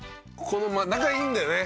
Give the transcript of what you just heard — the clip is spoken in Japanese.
仲いいんだよね